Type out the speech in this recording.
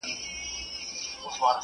زه مخکي انځور ليدلی و!؟